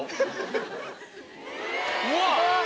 うわっ！